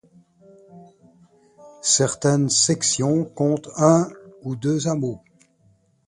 Certaines sections comptent un ou deux hameaux.